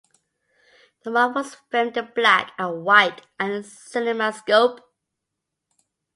"The Mark" was filmed in black and white and Cinemascope.